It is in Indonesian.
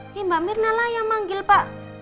ini mbak mirna lah yang manggil pak